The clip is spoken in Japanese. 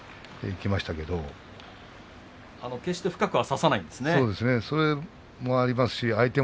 きょうは決して深くは差さないんですね。